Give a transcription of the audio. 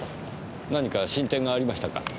何か進展がありましたか？